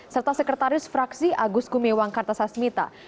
serta sekretaris fraksi agus gumewang kartasasmita